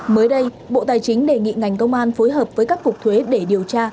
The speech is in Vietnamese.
mới đây bộ tài chính đề nghị ngành công an phối hợp với các cục thuế để điều tra